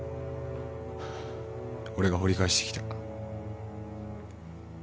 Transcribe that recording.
俺が掘り返してきた。